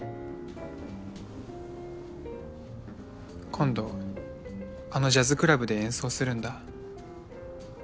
今度あのジャズクラブで演奏するんだ